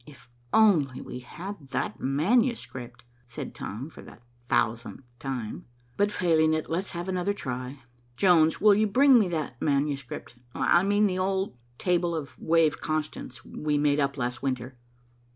"If we only had that manuscript," said Tom, for the thousandth time, "but failing it, let's have another try. Jones, will you bring me that manuscript? I mean the old table of wave constants we made up last winter."